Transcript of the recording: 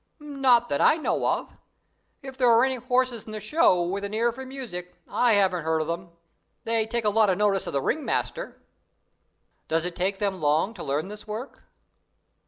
"Not that I know of. If there are any horses in the show with an ear for music, I haven't heard of them. They take a lot of notice of the ringmaster." "Does it take them long to learn this work?"